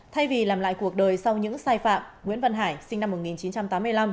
thay vì làm lại cuộc đời sau những sai phạm nguyễn văn hải sinh năm một nghìn chín trăm tám mươi năm